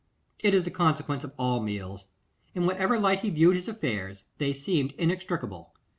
It is the consequence of all meals. In whatever light he viewed his affairs, they seemed inextricable.